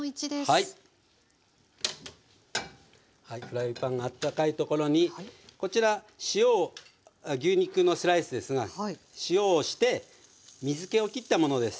フライパンがあったかいところにこちら牛肉のスライスですが塩をして水けをきったものです。